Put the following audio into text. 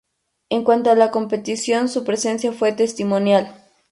En cuanto a la competición, su presencia fue testimonial.